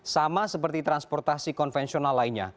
sama seperti transportasi konvensional lainnya